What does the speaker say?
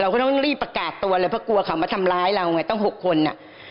ก็ต้องรีบประกาศตัวเลยเพราะกลัวเขามาทำร้ายเราไงต้อง๖คนอ่ะ